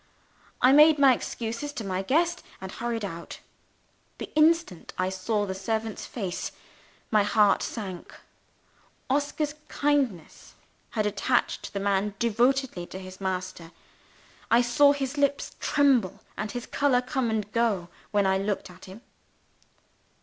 I made my excuses to my guest, and hurried out. The instant I saw the servant's face, my heart sank. Oscar's kindness had attached the man devotedly to his master. I saw his lips tremble, and his color come and go, when I looked at him.